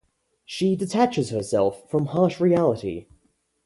She detaches herself from harsh reality.